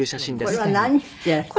これは何してらしたの？